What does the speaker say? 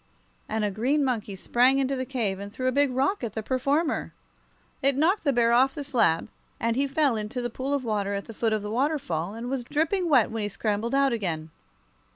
and a green monkey sprang into the cave and threw a big rock at the performer. It knocked the bear off the slab, and he fell into the pool of water at the foot of the waterfall, and was dripping wet when he scrambled out again.